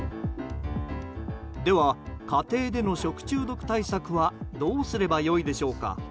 では、家庭での食中毒対策はどうすれば良いでしょうか。